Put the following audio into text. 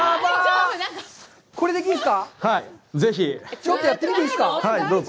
ちょっとやってみていいですか？